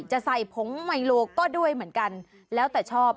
จะใส่ผงไมโลก็ด้วยเหมือนกันแล้วแต่ชอบ